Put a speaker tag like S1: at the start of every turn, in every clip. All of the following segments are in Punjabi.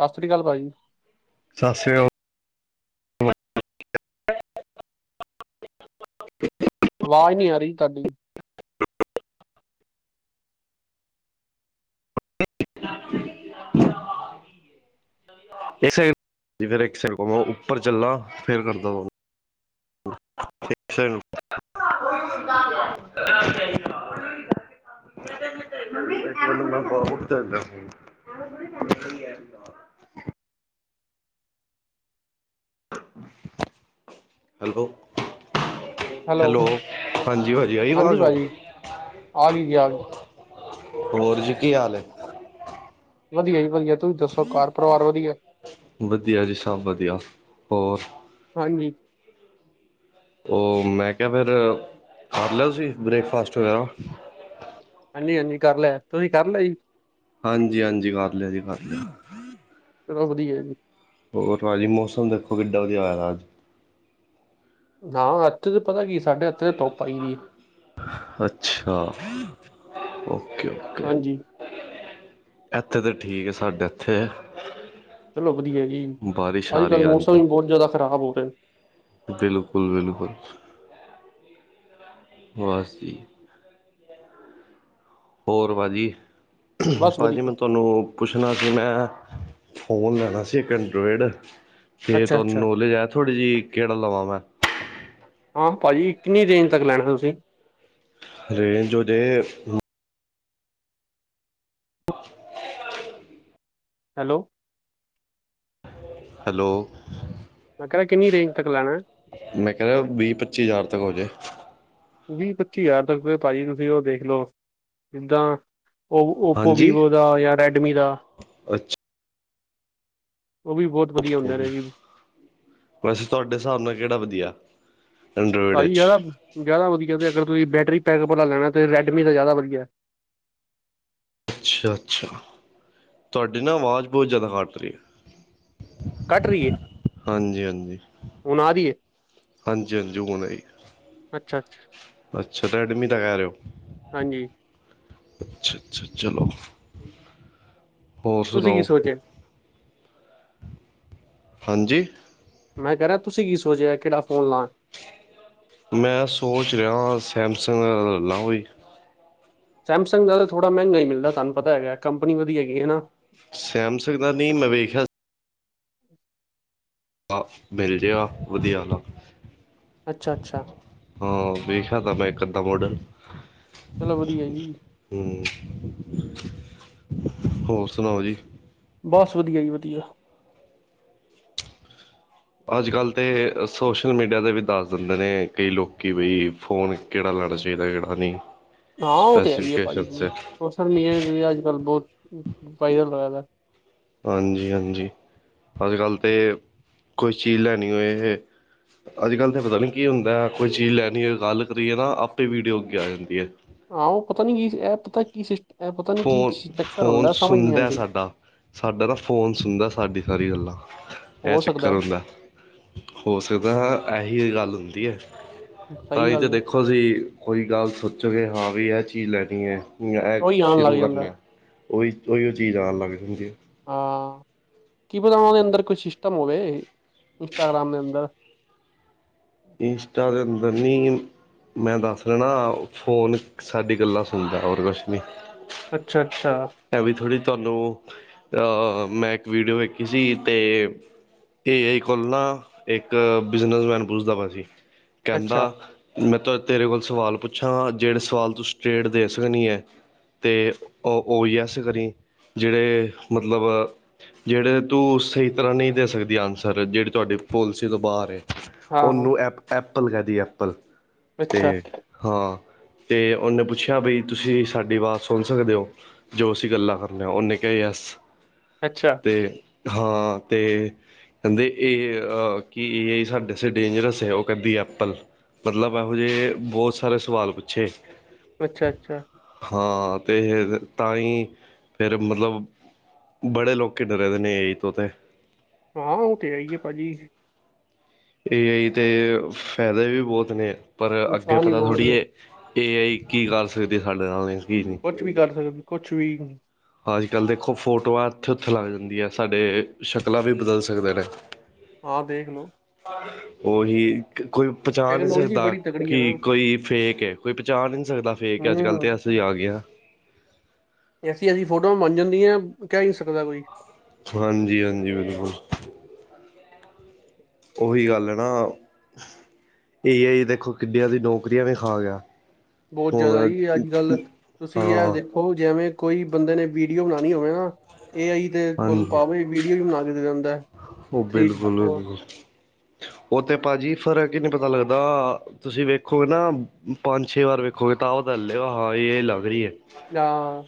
S1: ਸਤਿ ਸ੍ਰੀ ਅਕਾਲ, ਭਾਜੀ
S2: ਸ ਸ਼ੇ [inaudible] [inaudible] [inaudible]
S1: ਆਵਾਜ਼, ਨਈ ਆ ਰਹੀ, ਤੁਹਾਡੀ
S2: [unintelligible] [inaudible] [unintelligible] [inaudible]
S1: [inaudible] [unintelligible]
S2: [unintelligible] [inaudible] ਹੈਲੋ। ਹੈਲੋ, ਹਾਂਜੀ ਭਾਜੀ, ਆਈ
S1: ਹਾਂਜੀ
S2: ਆਵਾਜ਼ ਹੁਣ
S1: ਭਾਜੀ। [unintelligible] ਆ ਗਈ ਜੀ, ਆ ਗਈ
S2: ਹੋਰ ਜੀ, ਕੀ ਹਾਲ ਏ?
S1: ਵਧੀਆ ਜੀ, ਵਧੀਆ ਤੁਸੀਂ ਦੱਸੋ ਘਰ ਪਰਿਵਾਰ ਵਧੀਆ,
S2: ਵਧੀਆ ਜੀ, ਸਭ ਵਧੀਆ, ਹੋਰ
S1: ਹਾਂਜੀ।
S2: ਉਹ, ਮੈਂ ਕਿਹਾ ਫੇਰ, ਕਰ ਲਿਆ ਤੁਸੀਂ ਬ੍ਰੇਕਫਾਸਟ, ਵਗੈਰਾ
S1: ਹਾਂਜੀ ਹਾਂਜੀ ਕਰ ਲਿਆ, ਤੁਸੀਂ ਕਰ ਲਿਆ ਜੀ?
S2: ਹਾਂਜੀ ਹਾਂਜੀ, ਕਰ ਲਿਆ ਜੀ, ਕਰ ਲਿਆ
S1: ਚਲੋ ਵਧੀਆ ਏ
S2: ਹੋਰ ਭਾਅ ਜੀ, ਮੌਸਮ ਦੇਖੋ ਕਿੱਡਾ ਵਧੀਆ ਹੋਇਆ, ਅੱਜ
S1: ਨਾ ਇਥੇ ਪਤਾ ਕੀ, ਸਾਡੇ ਏਥੇ ਧੁੱਪ ਆਈ ਦੀ ਏ
S2: ਅੱਛਾ, ਓਕੇ ਓਕੇ।
S1: ਹਾਂਜੀ
S2: ਇੱਥੇ ਤੇ ਠੀਕ, ਹੈ, ਸਾਡੇ ਇੱਥੇ
S1: ਚਲੋ, ਵਧੀਆ ਜੀ,
S2: ਬਾਰਿਸ਼
S1: ਅੱਜ
S2: ਆ ਰਹੀ
S1: ਕੱਲ੍ਹ ਮੌਸਮ
S2: ਹਾਂਜੀ
S1: ਵੀ ਬਹੁਤ ਜ਼ਿਆਦਾ ਖ਼ਰਾਬ ਹੋ, ਰਿਹਾ
S2: ਬਿਲਕੁਲ ਬਿਲਕੁਲ। ਬਸ ਜੀ। ਹੋਰ ਭਾਅ ਜੀ,
S1: ਬਸ
S2: ਭਾਅ ਜੀ
S1: ਵਧੀਆ,
S2: ਮੈਂ ਤੁਹਾਨੂੰ? ਪੁੱਛਣਾ ਸੀ ਮੈਂ, ਫੋਨ ਲੈਣਾ ਸੀ, ਇੱਕ ਐੰਡਰੋਏਡ। ਫੇਰ
S1: ਅੱਛਾ
S2: ਤੁਆਨੂੰ
S1: ਅੱਛਾ।
S2: ਨੌਲੇਜ ਏ ਥੋੜੀ ਜਿਈ, ਕੇਅੜਾ ਲਵਾਂ ਮੈਂ?
S1: ਹਾਂ ਪਾਜੀ, ਕਿੰਨੀ ਰੇਂਜ ਤੱਕ ਲੈਣਾ ਤੁਸੀਂ?
S2: ਰੇਂਜ ਹੋਜੇ
S1: ਹੈਲੋ।
S2: ਹੈਲੋ।
S1: ਮੈਂ ਕੇਹ ਰੇਆ ਕਿੰਨੀ ਰੇਂਜ ਤੱਕ ਲੈਣਾ ਏ?
S2: ਮੈਂ ਕੇਹ ਰੇਆ ਵੀਹ, ਪੱਚੀ ਹਜ਼ਾਰ ਤੱਕ ਹੋ ਜੇ।
S1: ਵੀਹ, ਪੱਚੀ ਯਾਰ ਤੱਕ ਭਾਜੀ ਤੁਸੀਂ ਉਹ ਦੇਖ ਲੋ, ਜਿੱਦਾਂ ਔ, ਔਪੋ,
S2: ਹਾਂਜੀ
S1: ਵਿਵੋ ਦਾ, ਯਾ ਰੈਡਮੀ ਦਾ।
S2: ਅੱਛਾ
S1: ਔਹ ਵੀ ਬੋਤ
S2: ਵੈਸੇ ਤੁਆਡੇ ਸਾਬ ਨਾਲ ਕੇਹੜਾ ਵਦੀਆ ਐ?
S1: ਭਾਜੀ ਯਾਦਾ, ਜਾਦਾ ਵਦੀਆ ਤੇ ਅਗਰ ਤੁਸੀਂ ਬੈਟਰੀ ਬੈਕਅਪ ਆਲਾ ਲੈਣਾ, ਤੇ ਰੈਡਮੀ ਦਾ ਯਾਦਾ ਵਦੀਆ ਐ।
S2: ਅੱਛਾ-ਅੱਛਾ, ਤੁਆਡੀ ਨਾ ਵਾਜ ਬੋਤ ਜਾਦਾ ਫੱਟ ਰਈ ਐ।
S1: ਕੱਟ ਰਈ ਏ, ਹੁਣ ਆ ਰੀਏ?
S2: ਹਾਂਜੀ-ਹਾਂਜੀ, ਹੁਣ ਆਈ ਏ,
S1: ਅੱਛਾ ਅੱਛਾ
S2: ਅੱਛਾ, ਰੈਡਮੀ ਦਾ ਕੇਹ ਰਏ ਔ?
S1: ਹਾਂਜੀ।
S2: ਅੱਛਾ-ਅੱਛਾ, ਚਲੋ, ਹੋਰ
S1: ਤੁਸੀਂ ਕੀ
S2: ਸੁਣਾਓ?
S1: ਸੋਚਿਆ
S2: ਹਾਂਜੀ?
S1: ਮੈਂ ਕੇਹ ਰੇਆ, ਤੁਸੀਂ ਕੀ ਸੋਚਯਾ ਏ? ਕੇੜਾ ਫੋਨ ਲਾ?
S2: ਮੈਂ ਸੋਚ ਰੇਆ ਵਾਂ ਸੈਮਸੰਗ [unintelligible] ਲ ਲਾ ਕੋਈ।
S1: ਸੈਮਸਗ ਦਾ ਤਾਂ ਥੋੜ੍ਹਾ ਮੈਂਗਾ ਈ ਮਿਲਦਾ, ਤਾਨੂੰ ਪਤਾ ਹੈਗਾ, ਕੰਪਨੀ ਵਦੀ ਹੈਗੀ ਏ ਨਾ।
S2: ਸੈਮਸੰਗ ਦਾ ਨੀ, ਮੈਂ ਵੇਖਿਆ ਆ, ਮਿਲ ਜੇਗਾ ਵਦੀਆ ਆਲਾ।
S1: ਅੱਛਾ-ਅੱਛਾ।
S2: ਹਾਂ, ਵੇਖਯਾ ਦਾ ਮੈਂ ਏਕ ਅੱਦਾ ਮੋਡਲ।
S1: ਚਲੋ ਵਦੀਆ ਏ ਜੀ।
S2: ਹੂੰ, ਹੋਰ ਸੁਣਾਓ ਜੀ?
S1: ਬਸ ਵਦੀਆ ਜੀ ਵਦੀਆ।
S2: ਅੱਜ ਕੱਲ੍ਹ ਤੇ ਸੋਸ਼ਲ ਮੀਡੀਆ ਤੇ ਵੀ ਦੱਸ ਦਿੰਦੇ ਨੇ, ਕਈ ਲੋਕ ਬਈ ਫੋਨ ਕੇੜਾ ਲੈਣਾ ਚਾਈਦਾ, ਕੇੜਾ ਨਈ।
S1: ਹਾਂ ਔਹ ਤੇ ਹੈ ਈ ਪਾਜੀ, ਮੌਸਮ ਈ ਏ ਜਿਵੇੰ ਅੱਜ ਕੱਲ ਬੋਤ [unintelligible]
S2: ਹਾਂਜੀ-ਹਾਂਜੀ, ਅੱਜ ਕੱਲ੍ਹ ਤੇ ਕੋਈ ਚੀਜ਼ ਲੈਣੀ ਹੋਏ ਹੇ ਅਜ ਕੱਲ ਤੇ ਪਤਾ ਨੀ ਕੀ ਹੁੰਦਾ ਏ? ਕੋਈ ਚੀਜ਼ ਲੈਣੀ ਹੋਏ, ਗੱਲ ਕਰੀਏ ਨਾ, ਆਪੇ ਵੀਡੀਓ ਅੱਗੇ ਆ ਜਾਂਦੀ ਏ।
S1: ਹਾਂ ਔਹ ਪਤਾ ਨੀ ਕੀ? ਏ ਪਤਾ ਕੀ ਸਿਸ
S2: ਫੋਨ, ਫੋਨ
S1: ਨਹੀਂ
S2: ਸੁਨਦਾ
S1: ਆਉਂਦੀ
S2: ਸਾਡਾ। ਸਾਡਾ ਨਾ ਫੋਨ ਸੁਣਦਾ ਸਾਡੀ ਸਾਰੀ ਗੱਲਾਂ, ਏਹ
S1: ਹੋ
S2: ਚੱਕਰ
S1: ਸਕਦਾ
S2: ਹੁੰਦਾ। ਹੋ ਸਕਦਾ ਏ, ਏਹੀਉ ਗੱਲ ਹੁੰਦੀ ਏ, ਤਾਂ
S1: ਸਹੀ
S2: ਈ ਤੇ
S1: ਗੱਲ ਹੈ
S2: ਦੇਖੋ ਤੁਸੀਂ ਕੋਈ ਗੱਲ ਸੋਚੋਗੇ, ਹਾਂ ਵੀ ਏਹ ਚੀਜ਼ ਲੈਣੀ ਏ, ਯਾ ਏ
S1: ਉਹੀ ਆਉਣ ਲੱਗ ਜਾਂਦਾ
S2: ਔਹੀ ਉਈਓ ਚੀਜ਼ ਆਣ ਲਗ ਜਾਂਦੀ ਏ।
S1: ਹਾਂ, ਕੀ ਪਤਾ ਉਅਦੇ
S2: ਹਾਂਜੀ
S1: ਅੰਦਰ ਕੋਈ ਸ਼ੀਸ਼ਟਮ ਹੋਵੇ? ਇੰਸਟਾਗ੍ਰਾਮ ਦੇ ਅੰਦਰ।
S2: ਇੰਸਟਾ ਦੇ ਅੰਦਰ ਨੀ ਮੈਂ ਦੱਸ ਰੇਆ ਨਾ, ਫੋਨ ਸਾਡੀ ਗੱਲਾ ਸੁਣਦਾ, ਹੋਰ ਕੁਛ ਨੀ।
S1: ਅੱਛਾ-ਅੱਛਾ।
S2: ਐਵੀਂ ਥੋੜ੍ਹੀ ਤੁਆਨੂੰ, ਅਹ ਮੈਂ ਇੱਕ ਵੀਡੀਓ ਵੇਖੀ ਸੀ ਤੇ ਏ ਆਈ ਕੋਲ ਨਾ, ਏਕ ਬਿਜਨਸਮੈਨ ਪੁੱਛਦਾ ਬਯਾ ਸੀ, ਕੇਂਦਾ
S1: ਅੱਛਾ
S2: ਮੈਂ ਤਾ ਤੇਰੇ ਕੋਲ ਸਵਾਲ ਪੁੱਛਾਂ, ਜੇੜੇ ਸਵਾਲ ਤੁ ਸਟ੍ਰੇਟ ਦੇ ਸਕਣੀ ਏ, ਤੇ ਔ ਯੈਸ ਕਰੀ, ਜੇੜੇ ਮਤਲਬ ਜੇੜੇ ਤੂੰ ਸਈ ਤਰ੍ਹਾਂ ਨਈ ਦੇ ਸਕਦੀ ਆਨਸਰ, ਜੇਹੜੀ ਤੁਆਡੀ ਪੋਲਿਸੀ ਤੋਂ ਬਾਰ ਏ
S1: ਹਾਂ
S2: ਔਨੂੰ ਐਪ, ਐਪਲ ਕੇਦੀ ਐਪਲ,
S1: ਅੱਛਾ
S2: ਤੇ ਹਾਂ ਤੇ ਉਨੇ ਪੁੱਛਿਆ ਬਈ ਤੁਸੀਂ ਸਾਡੀ ਅਵਾਜ਼ ਸੁਣ ਸਕਦੇ ਹੋ? ਜੋ ਅਸੀਂ ਗੱਲਾਂ ਕਰਨੇ ਆ, ਉਨੇ ਕਯਾ ਯਸ।
S1: ਅੱਛਾ,
S2: ਤੇ ਹਾਂ ਤੇ ਕਹਿੰਦੇ ਇਹ ਅ ਕੀ ਇਹ ਸਾਡੇ ਡੇਂਜਰਸ ਏ? ਉ ਕਹਿੰਦੀ ਐਪਲ ਮਤਲਬ ਇਹੋ ਜਿਹੇ ਬਹੁਤ ਸਾਰੇ ਸਵਾਲ ਪੁੱਛੇ
S1: ਅੱਛਾ-ਅੱਛਾ।
S2: ਹਾਂ ਤੇ ਤਾਂ ਹੀ ਫਿਰ ਮਤਲਬ ਬੜੇ ਲੋਕੀ ਡਰੇ ਦੇ ਨੇ ਏ ਆਈ ਤੋ ਤੇ।
S1: ਹਾਂ ਉ ਤੇ ਹੈਈ ਪਾਜੀ
S2: ਏ ਆਈ ਤੇ ਫੇਦੇ ਵੀ ਬੋਤ ਨੇ ਪਰ ਅੱਗੇ
S1: ਨੁਕਸਾਨ ਹੀ
S2: ਪਤਾ ਥੋੜ੍ਹੀ
S1: ਬਹੁਤ
S2: ਏ ਏ ਆਈ ਕੀ ਕਰ ਸਕਦੀ ਸਾਡੇ ਨਾਲ ਕੀ ਨਹੀਂ।
S1: ਕੁਛ ਵੀ ਕਰ ਸਕਦੀ, ਕੁਛ ਵੀ
S2: ਅੱਜ ਕੱਲ੍ਹ ਦੇਖੋ ਫੋਟੋਆਂ ਉੱਥੇ ਉੱਥੇ ਲੱਗ ਜਾਂਦੀਆਂ ਸਾਡੇ ਸ਼ਕਲਾਂ ਵੀ ਬਦਲ ਸਕਦੇ ਨੇ।
S1: ਹਾਂ ਦੇਖ ਲੋ
S2: ਉਹੀ ਕੋਈ ਪਹਿਚਾਣ ਨੀ
S1: ਟੈਕਨੋਲੋਜੀ
S2: ਸਕਦਾ
S1: ਬੜੀ ਤਕੜੀ ਹੈ
S2: ਕਿ
S1: ਨਾ
S2: ਕੋਈ ਫੇਕ ਏ ਕੋਈ ਪਹਿਚਾਨ ਨੀ ਸਕਦਾ ਫੇਕ ਏ ਅੱਜ ਕੱਲ੍ਹ ਤੇ
S1: ਹਮ
S2: ਏਸੀਂ ਗਯਾ।
S1: ਐਸੀ-ਐਸੀ ਫੋਟੋ ਬਣ ਜਾਂਦੀਆਂ ਕੇ ਈਨੀ ਸਕਦਾ ਕੋਈ
S2: ਹਾਂਜੀ ਹਾਂਜੀ ਬਿਲਕੁਲ ਉਹੀ ਗੱਲ ਨਾ ਆ ਜ ਦੇਖੋ ਕਿੰਨੀਅ ਦੀ ਨੌਕਰੀਆਂ ਵੀ ਖਾ ਗਿਆ
S1: ਬਹੁਤ ਜ਼ਿਆਦਾ
S2: ਹੁਣ
S1: ਹੀ ਅੱਜ ਕੱਲ ਤੁਸੀਂ
S2: ਹਾਂ
S1: ਦੇਖ ਉਹ ਜਿਵੇਂ ਕੋਈ ਬੰਦੇ ਨੇ ਵੀਡੀਓ ਬਣਾਉਣੀ ਹੋਵੇ ਨਾ ਇਹਏ ਆਈ ਦੇ ਕੋਲ
S2: ਹਾਂਜੀ
S1: ਪਾਵੇ ਵੀਡੀਓ ਵੀ ਬਣਾ ਦਿੱਤੇ ਜਾਂਦਾ
S2: ਉਹ ਬਿਲਕੁਲ ਬਿਲਕੁਲ ਉਹ ਤੇ ਭਾਜੀ ਫੇਰ ਕੀ ਨਹੀਂ ਪਤਾ ਲੱਗਦਾ ਤੁਸੀਂ ਵੇਖੋਗੇ ਨਾ ਪੰਜ ਛੇ ਵਾਰ ਵੇਖੋਗੇ ਤਾਂਬ ਤਾਂ ਲਿਓ ਹਾਂ ਇਹ ਲੱਗ ਰਹੀ ਹੈ
S1: ਹਾਂ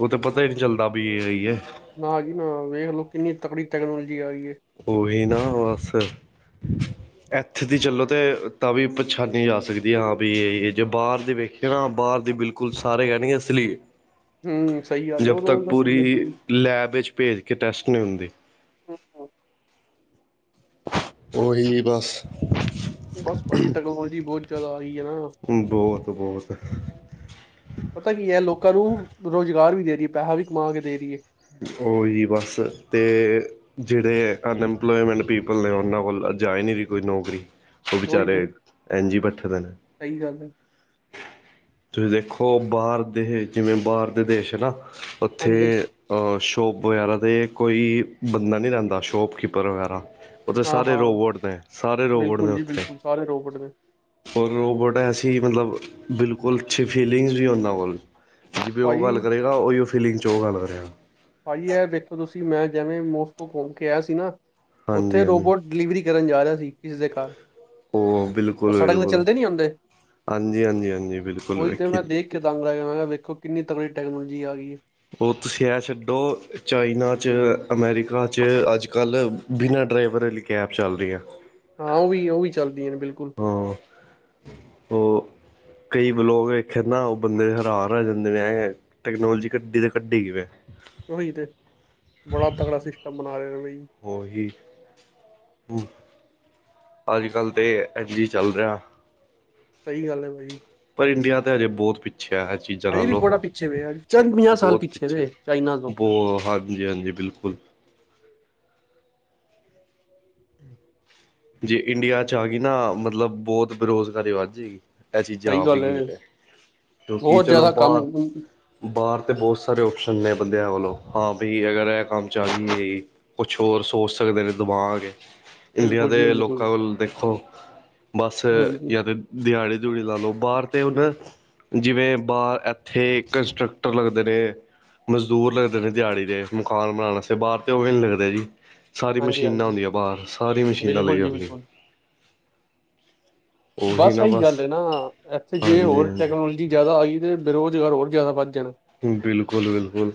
S2: ਉਹ ਤੇ ਪਤਾ ਹੀ ਨਹੀਂ ਚੱਲਦਾ ਵੀ ਇਹ
S1: ਨਾ ਜੀ ਨਾ ਵੇਖ ਲਓ ਕਿੰਨੀ ਤਕੜੀ ਟੈਕਨੋਲੋਜੀ ਆ ਗਈ ਹੈ
S2: ਉਹੀ ਨਾ ਬਸ
S1: ਹੂੰ
S2: ਇੱਥੇ ਦੀ ਚਲੋ ਤੇ ਤਾਂ ਵੀ ਪਛਾਨੀ ਜਾ ਸਕਦੀ ਹਾਂ ਵੀ ਜੇ ਬਾਹਰ ਦੇ ਵੇਖ ਬਾਹਰ ਦੇ ਬਿਲਕੁਲ ਸਾਰੇ ਕਹਿਣ ਗੇ ਨਹੀਂ ਅਸਲੀ ਦੀ ਹ।
S1: ਹੂੰ ਸਹੀ ਗੱਲ ਉਹ ਤੁਹਾਨੂੰ ਦੱਸ ਲਿਆ ਜ
S2: ਪੂਰੀ ਲੈਬ ਵਿੱਚ ਭੇਜ ਕੇ ਟੈਸਟ ਨਹੀਂ ਹੁੰਦੇ
S1: ਆਹੋ
S2: ਉਹੀ ਬਸ
S1: ਬਸ ਭਾਜੀ ਟੈਕਨੋਲੋਜੀ ਬਹੁਤ ਜ਼ਿਆਦਾ ਆਈ ਹੈ ਨਾ
S2: ਹੁਣ ਬਹੁਤ ਬਹੁਤ
S1: ਪਤਾ ਕੀ ਹੈ ਲੋਕਾਂ ਨੂੰ ਰੁਜ਼ਗਾਰ ਵੀ ਦੇ ਰਹੀ ਹੈ ਪੈਸਾ ਵੀ ਕਮਾ ਕੇ ਦੇ ਰਹੀ ਹੈ
S2: ਉਹੀ ਬਸ ਤੇ ਜਿਹੜੇ ਅਨਐਮਪਲੋਮੈਂਟ ਪੀਪਲ ਨੇ ਉਹਨਾਂ ਕੋਲ ਜਾਏ ਨੀ ਕੋਈ ਨੌਕਰੀ ਉਹ
S1: ਉਹੀ ਤੇ
S2: ਵਿਚਾਰੇ ਇੰਝ ਹੀ ਬੈਠੇ ਰਹਿੰਦੇ ਨੇ।
S1: ਸਹੀ ਗੱਲ ਹੈ
S2: ਤੁਸੀਂ ਦੇਖੋ ਬਾਹਰ ਦੇ ਜਿਵੇਂ ਬਾਹਰ ਦੇ ਦੇਸ਼ ਨਾ ਉੱਥੇ
S1: ਹਾਂਜੀ
S2: ਅ ਸ਼ੋਪ ਵਗੈਰਾ ਤੇ ਕੋਈ ਬੰਦਾ ਨਹੀਂ ਰਹਿੰਦਾ ਸ਼ੋਪਕੀਪਰ ਵਗੈਰਾ ਉਥੇ
S1: ਹਾਂ
S2: ਸਾਰੇ
S1: ਹਾਂ
S2: ਰੋਬੋਟ ਨੇ ਸਾਰੇ ਰੋਬੋਟ ਨੇ
S1: ਬਿਲਕੁਲ ਜੀ
S2: ਉੱਥੇ
S1: ਬਿਲਕੁਲ ਸਾਰੇ ਰੋਬੋਟ ਨੇ
S2: ਔਰ ਰੋਬੋਟ ਐਸੀ ਮਤਲਬ ਬਿਲਕੁਲ ਅੱਛੀ ਫੀਲਿੰਗਸ ਵੀ ਉਹਨਾਂ ਕੋਲ ਜਿਵੇਂ ਉਹ ਗੱਲ
S1: ਭਾਜੀ
S2: ਕਰੇਗਾ ਉਹੀ ਫੀਲਿੰਗ 'ਚ ਉਹ ਗੱਲ ਕਰੇਗਾ
S1: ਭਾਈ ਇਹ ਵੇਖੋ ਤੁਸੀਂ ਮੈਂ ਜਿਵੇਂ ਮੋਸਕੋ ਘੁੰਮ ਕੇ ਆਇਆ ਸੀ ਨਾ
S2: ਹਾਂਜੀ
S1: ਉੱਥੇ
S2: ਹਾਂਜੀ
S1: ਰੋਬੋਟ ਡਿਲੀਵਰੀ ਕਰਨ ਜਾ ਰਿਹਾ ਸੀ ਕਿਸੇ ਦੇ ਘਰ ਉਹ
S2: ਬਿਲਕੁਲ-
S1: ਸੜਕ ਤੇ
S2: ਬਿਲਕੁਲ,
S1: ਚੱਲਦੇ ਨੀ ਹੁੰਦੇ
S2: ਹਾਂਜੀ, ਹਾਂਜੀ, ਹਾਂਜੀ ਬਿਲਕੁਲ ਵੇਖੀ ਦੀ
S1: ਤੰਗ ਲਗ ਵੇਖੋ ਕਿੰਨੀ ਤਕੜੀ ਦੀ ਟੈਕਨੋਲੋਜੀ ਆ ਗਈ ਹੈ
S2: ਉਹ ਤੁਸੀਂ ਇਹ ਛੱਡੋ ਚਾਈਨਾ 'ਚ ਅਮੈਰੀਕਾ 'ਚ ਅੱਜ -ਕੱਲ੍ਹ ਬਿਨਾਂ ਡਰਾਈਵਰ ਵਾਲੀ ਕੈਬ ਚੱਲ ਰਹੀ ਆ
S1: ਹਾਂ ਉਹ ਵੀ ਉਹ ਵੀ ਚੱਲਦੀਆਂ ਨੇ ਬਿਲਕੁਲ
S2: ਉਹ ਕਈ ਲੋਕ ਇੱਥੇ ਨਾ ਉਹ ਬੰਦੇ ਹੈਰਾਨ ਹੋ ਜਾਂਦੇ ਨੇ ਟੈਕਨੋਲੋਜੀ ਗੱਡੀ ਤੇ ਕੱਢੀ ਕਿਵੇਂ
S1: ਉਹੀ ਤੇ ਬੜਾ ਤਗੜਾ ਸਿਸਟਮ ਬਣਾ ਰਿਹਾ ਜੀ
S2: ਉਹੀ ਹਮ ਅੱਜ ਕੱਲ੍ਹ ਤਾਂ ਐਨ ਜੀ ਚੱਲ ਰਿਹਾ
S1: ਸਹੀ ਗੱਲ ਹੈ ਬਈ
S2: ਪਰ ਇੰਡੀਆ ਤਾਂ ਹਜੇ ਬਹੁਤ ਪਿੱਛਿਆ ਹੈ ਚੀਜ਼ਾਂ
S1: ਹਜੇ
S2: ਨਾਲ
S1: ਵੀ
S2: ਲਓ
S1: ਬੜਾ ਪਿੱਛੇ ਵੇ ਚੰਦ ਪੰਜਾਹ ਸਾਲ
S2: ਬਹੁਤ
S1: ਪਿੱਛੇ
S2: ਪਿੱਛ
S1: ਨੇ
S2: ਹੈ
S1: ਚਾਈਨਾ ਤੋਂ
S2: ਬਹੁ ਹਾਂਜੀ- ਹਾਂਜੀ ਬਿਲਕੁਲ ਜੇ ਇੰਡੀਆ ਚ ਆ ਗਈ ਨਾ, ਮਤਲਬ ਬਹੁਤ ਬੇਰੁਜ਼ਗਾਰੀ ਵੱਧ ਜਾਏਗੀ ਇਹ ਚੀਜ਼
S1: ਸਹੀ
S2: ਆਪ ਵੀ
S1: ਗੱਲ
S2: ਗੀਤ ਹੈ ਕਿਉਂਕਿ
S1: ਬਹੁਤ
S2: ਚਲੋ
S1: ਜ਼ਿਆਦਾ ਕੰਮ
S2: ਬਾਹਰ ਬਾਹਰ ਤੇ ਬਹੁਤ ਸਾਰੇ ਓਪਸ਼ਨ ਨੇ ਬੰਦਿਆਂ ਵੱਲੋਂ ਹਾਂ ਬਈ ਅਗਰ ਇਹ ਕੰਮ ਚੱਲਹੀ ਹੈ ਜ ਕੁਛ ਹੋਰ ਸੋਚ ਸਕਦੇ ਨੇ ਦਿਮਾਗ ਇੰਡੀਆ
S1: ਬਿਲਕੁਲ ਜੀ
S2: ਦੇ
S1: ਬਿਲਕੁਲ
S2: ਲੋਕਾਂ ਕੋਲ ਦੇਖੋ ਬੱਸ
S1: ਹਾਂਜੀ
S2: ਜਾਂ ਤਾਂ ਦਿਹਾੜੀ ਦਿਉੜੀ ਲਾ ਲਓ ਬਾਹਰ ਤੇ ਹੁਣ ਜਿਵੇਂ ਬਾਹਰ ਇੱਥੇ ਕੰਸਟਰਕਟਰ ਲੱਗਦੇ ਨੇ ਮਜ਼ਦੂਰ ਲੱਗਦੇ ਨੇ ਦਿਹਾੜੀ ਦੇ ਮਕਾਨ ਬਣਾ ਵਾਸਤੇ ਬਾਹਰ ਤੇ, ਉਹ ਵੀ ਨੀ ਲੱਗਦੇ ਜੀ ਸਾਰੀਆਂ
S1: ਹਾਂਜੀ
S2: ਮਸ਼ੀਨਾਂ
S1: ਹਾਂਜੀ
S2: ਹੁੰਦੀਆਂ ਬਾਹਰ, ਸਾਰੀ ਮਸ਼ੀਨ
S1: ਬਿਲਕੁਲ ਜੀ ਬਿਲਕੁਲ
S2: ਉਹੀ
S1: ਬਸ
S2: ਨਾ
S1: ਇਹੀ ਗੱਲ ਹੈ ਨਾ, ਇੱਥੇ ਜੇ
S2: ਹਾਂਜੀ
S1: ਹੋਰ
S2: ਹਾਂਜੀ
S1: ਟੈਕਨੋਲੋਜੀ ਜਿਆਦਾ ਆਈ ਤੇ ਬੇਰੁਜ਼ਗਾਰ ਹੋਰ ਜ਼ਿਆਦਾ ਵੱਧ ਜਾਣ
S2: ਬਿਲਕੁਲ, ਬਿਲਕੁਲ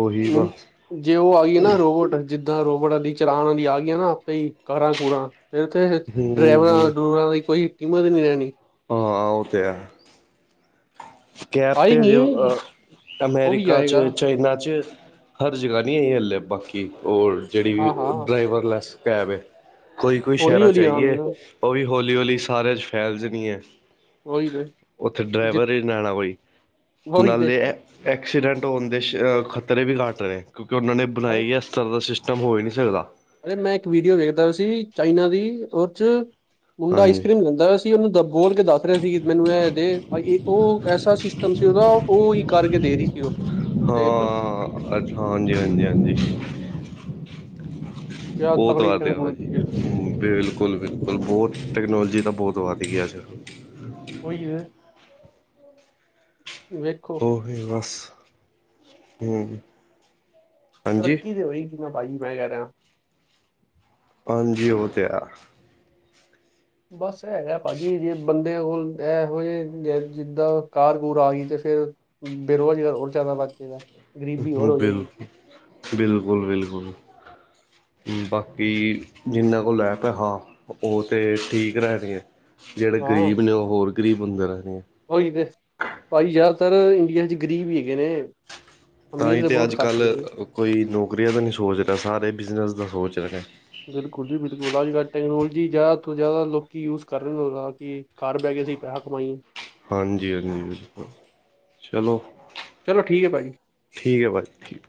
S2: ਉਹੀ ਬਸ
S1: ਜੇ ਉਹ ਆ ਗਈ ਨਾ ਰੋਬੋਟ ਜਿੱਦਾਂ ਰੋਬਟਾ ਦੀ ਚਲਾਉਣ ਦੀ ਆ ਗਈਆਂ ਨਾ ਆਪੇ ਹੀ ਕਾਰਾਂ ਕਾਂ ਫਿਰ ਉਥੇ
S2: ਹਮ
S1: ਡਰਾਈਵਰਾਂ ਡਰਾਈਵਰ ਦੀ ਕੋਈ ਕੀਮਤ ਨਹੀਂ ਰਹਿਣੀ
S2: ਹਾਂ ਔ ਤੇ ਹੈ ਕੈਪ ਤੇ ਹਜੇ
S1: ਆਏਗੀ ਉਹ ਵੀ
S2: ਅਮੈਰੀਕਾ,
S1: ਆਏਗਾ
S2: ਚਾਈਨਾ ਚ ਹਰ ਜਗ੍ਹਾ ਨਹੀਂ ਆਈ ਬਾਕੀ ਉਹ ਜਿਹੜੀ
S1: ਹਾਂ ਹਾਂ
S2: ਡਰਾਈਵਰਲੈਸ ਕੈਬ ਹੈ ਕੋਈ- ਕੋਈ
S1: ਹੌਲੀ
S2: ਸ਼ਹਿਰਾਂ ਚ
S1: ਹੌਲੀ
S2: ਆਈਏ
S1: ਆਣਗੀਆਂ
S2: ਉਹ ਵੀ ਹੌਲੀ- ਹੌਲੀ ਸਾਰਿਆਂ ਚ ਫੈਲ ਜਾਣੀ ਹੈ।
S1: ਉਹੀ ਨੇ ਜਿੱ
S2: ਨਾਲਣਾ ਕੋਈ, ਨਾਲੇ ਐਕਸੀਡੈਂਟ ਹੋਣ ਦੇ ਖਤਰੇ ਵੀ ਘੱਟ ਨੇ, ਕਿਉਂਕਿ ਉਹਨਾਂ ਨੇ ਬਣਾਈ ਇਸ ਤਰ੍ਹਾਂ ਦਾ ਸਿਸਟਮ ਹੋ ਹੀ ਨਹੀਂ ਸਕਦਾ
S1: ਅਰੇ ਮੈਂ ਇੱਕ ਵੀਡੀਓ ਵੇਖਦਾ ਸੀ ਚਾਈਨਾ ਦੀ ਉਹਦੇ ਚ ਮੁੰਡਾ ਆਈਸ
S2: ਹਾਂਜੀ
S1: ਕਰ੍ਰੀਮ ਲੈਂਦਾ ਉਹਨੂੰ ਬੋਲ ਕੇ ਦੱਸ ਰਿਹਾ ਸੀ ਮੈਨੂੰ ਇਹ ਇਹ ਉਹ ਐਸਾ ਸਿਸਟਮ ਸੀ ਉਹਦਾ ਉਹੀ ਕਰਕੇ ਦੇ ਰਹੀ ਸੀ ਉਹ ਦੇਖ ਲਓ
S2: ਹਾਂ ਅੱਛਾ ਹਾਂਜੀ, ਹਾਂਜੀ, ਹਾਂਜੀ
S1: ਕਿਆ
S2: ਬਹੁਤ
S1: ਤਕੜੀ
S2: ਵਾਰ ਤੇ ਆ ਵਾਜੀ
S1: ਟੈਕਨੋਲੋਜੀ ਹੈ
S2: ਬਿਲਕੁਲ, ਬਿਲਕੁਲ ਬਹੁਤ ਟੈਕਨੋਲੋਜੀ ਦਾ ਬਹੁਤ ਵੱਧ ਗਿਆ
S1: ਕੋਈ ਹੈ ਵੇਖੋ
S2: ਉਹੀ ਬਸ ਹਾਂਜੀ
S1: ਤਰੱਕੀ ਤੇ ਹੋਈ ਕਿ ਭਾਈ ਮੈਂ ਕਹਿ ਰਿਹਾ
S2: ਹਾਂਜੀ ਉਹ ਤੇ ਆ
S1: ਬਸ ਹੈਗਾ ਭਾਜੀ ਜੇ ਬੰਦੇ ਉਹ ਇਹੋ ਜਿਹੇ ਜਿੱਦਾਂ ਕਾਰ ਕੂਰ ਆ ਗਈ ਤੇ ਫਿਰ ਬੇਰੁਜ਼ਗਾਰ ਹੋਰ ਜਿਆਦਾ ਵੱਧ ਜਾਏਗਾ ਗ਼ਰੀਬੀ ਹੋਰ ਹੋ ਜਾਏਗੀ
S2: ਬਿਲਕੁਲ ਬਿਲਕੁਲ ਬਿਲਕੁਲ ਬਾਕੀ ਜਿੰਨਾ ਕੋਲ ਰੈ ਪਏ ਹਾਂ ਉਹ ਤੇ ਠੀਕ ਰਹਿਣੀ ਹੈ ਜਿਹੜੇ
S1: ਹਾਂ
S2: ਗ਼ਰੀਬ ਨੇ ਉਹ ਹੋਰ ਗਰੀਬ ਹੁੰਦੇ ਰਹਿਦੇ ਆ
S1: ਉਹੀ ਤੇ ਭਾਜੀ ਜ਼ਿਆਦਾਤਰ ਇੰਡੀਆ ਚ ਗ਼ਰੀਬ ਵੀ ਹੈਗੇ ਨੇ
S2: ਤਾਂ
S1: ਅਮੀਰ
S2: ਹੀ ਤਾਂ
S1: ਬਹੁਤ
S2: ਅੱਜ
S1: ਘੱਟ
S2: ਕੱਲ
S1: ਹੈਗੇ।
S2: ਕੋਈ ਨੌਕਰੀਆਂ ਦਾ ਨਹੀਂ ਸੋਚ ਰਿਹਾ ਸਾਰੇ ਬਿਜਨਸ ਦਾ ਸੋਚ ਰਹੇ
S1: ਬਿਲਕੁਲ ਜੀ ਬਿਲਕੁਲ ਅੱਜ ਕੱਲ ਟੈਕਨੋਲੋਜੀ ਜਾਂ ਇੱਥੋਂ ਜਾਂ ਲੋਕੀ ਯੂਜ ਕਰ ਰਹੇ ਹੋ ਕਿ ਘਰ ਬਹਿ ਕੇ ਤੁਸੀਂ ਪੈਸਾ ਕਮਾਈਏ
S2: ਹਾਂਜੀ ਹਾਂਜੀ ਚਲੋ
S1: ਚਲੋ ਠੀਕ ਹੈ ਭਾਜੀ।
S2: ਠੀਕ ਹੈ ਭਾਜੀ ਠੀਕ